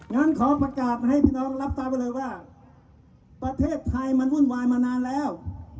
งั้นขอประกาศให้พี่น้องรับทราบไว้เลยว่าประเทศไทยมันวุ่นวายมานานแล้ว